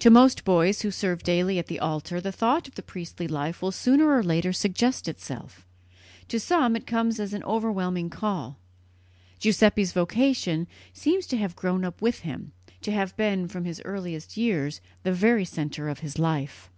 To most boys who serve daily at the altar the thought of the priestly life will sooner or later suggest itself; to some it comes as an overwhelming call. Giuseppe's vocation seems to have grown up with him, to have been, from his earliest years, the very centre of his life.